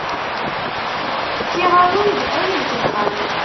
Fkiɣ-awen-d ayen tebɣam.